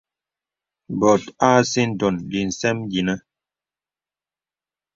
Bòt à sìdòn lìsɛm yìnə̀.